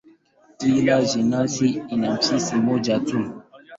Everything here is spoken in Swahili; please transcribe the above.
Kila jenasi ina spishi moja tu.